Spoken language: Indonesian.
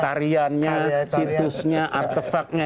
tariannya situsnya artefaknya